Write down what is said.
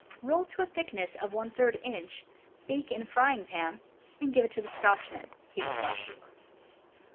Roll to a thickness of J inch, bake in frying pan, and give it to the Scotchman — he will bless you.